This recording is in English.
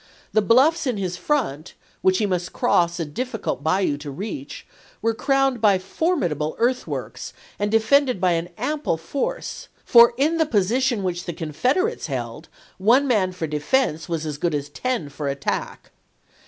The bluffs in his front, which he must cross a difficult bayou to reach, were crowned by formidable earthworks and de fended by an ample force, for in the position which the Confederates held one man for defense was as good as ten for attack.